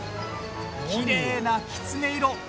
きれいなきつね色！